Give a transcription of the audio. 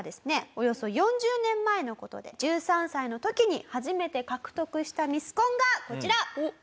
およそ４０年前の事で１３歳の時に初めて獲得したミスコンがこちら。